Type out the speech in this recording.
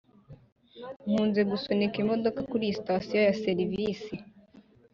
nkunze gusunika imodoka kuriyi sitasiyo ya serivisi.